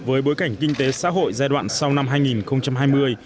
với bối cảnh kinh tế xã hội giai đoạn sau năm hai nghìn hai mươi